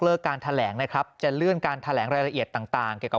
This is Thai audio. การแถลงนะครับจะเลื่อนการแถลงรายละเอียดต่างต่างเกี่ยวกับ